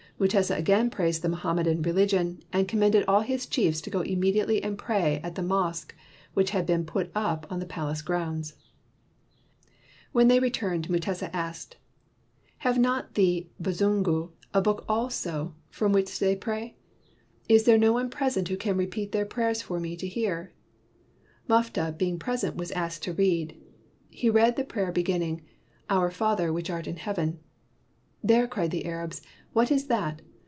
Mutesa again praised the Mohammedan religion and commanded all his chiefs to go immediately and pray at the mosque which had been put up on the palace grounds. When they returned Mutesa asked: "Have not the Bazungu a book also from 145 WHITE MAN OF WORK which they pray? Is there no one present who can repeat their prayers for me to hear?" Mufta being present was asked to read. He read the prayer beginning, "Our Father which art in heaven." "There," cried the Arabs, "what is that?